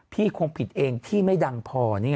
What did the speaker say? พี่คงผิดเองที่ไม่ดังพอนี่